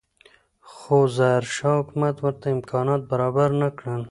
خو ظاهرشاه حکومت ورته امکانات برابر نه کړل.